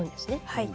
はい。